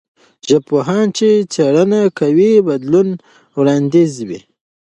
ژبپوهان چې څېړنه کوي، بدلون وړاندیزوي.